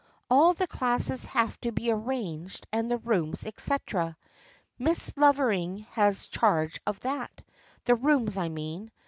All the classes have to be arranged and the rooms, etc. Miss Lovering has charge of that, the rooms, I mean.